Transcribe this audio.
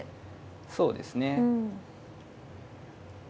そうですね。